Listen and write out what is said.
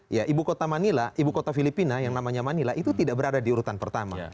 ya ibu kota manila ibu kota filipina yang namanya manila itu tidak berada di urutan pertama